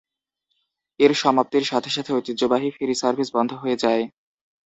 এর সমাপ্তির সাথে সাথে ঐতিহ্যবাহী ফেরি সার্ভিস বন্ধ হয়ে যায়।